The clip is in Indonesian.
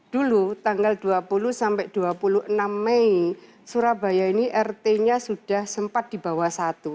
dulu tanggal dua puluh sampai dua puluh enam mei surabaya ini rt nya sudah sempat di bawah satu